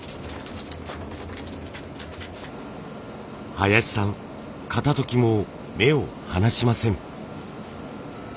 林さん片ときも目を離しません。